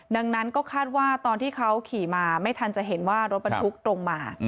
ดังนั้นก็คาดว่าตอนที่เขาขี่มาไม่ทันจะเห็นว่ารถบรรทุกตรงมา